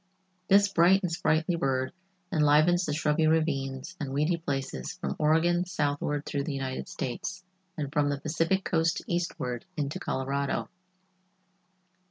This bright and sprightly bird enlivens the shrubby ravines and weedy places from Oregon southward through the United States, and from the Pacific coast eastward into Colorado.